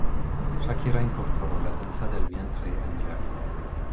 Shakira incorporó la danza del vientre en el acto.